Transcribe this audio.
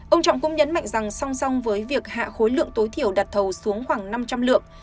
ông trọng cũng nhấn mạnh rằng song song với việc hạ khối lượng tối thiểu đặt thầu xuống khoảng năm trăm linh lượng